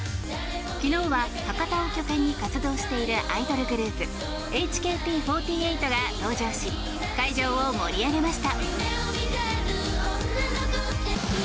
昨日は博多を拠点に活動しているアイドルグループＨＫＴ４８が登場し会場を盛り上げました。